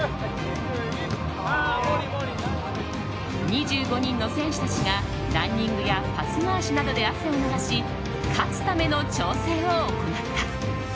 ２５人の選手たちがランニングやパス回しなどで汗を流し勝つための調整を行った。